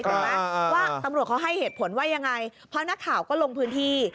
ไหมว่าตำรวจเขาให้เหตุผลว่ายังไงเพราะนักข่าวก็ลงพื้นที่